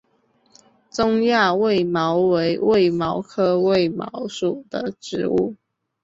中亚卫矛为卫矛科卫矛属的植物。